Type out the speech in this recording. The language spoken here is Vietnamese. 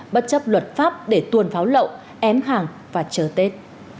bất chấp luật pháp để tuôn pháo lậu ém hàng và chờ tết